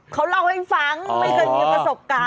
เขาเล่าให้ฟังไม่เคยมีประสบการณ์